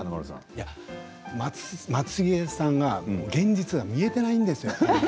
松重さんが現実が見えていないんですよ。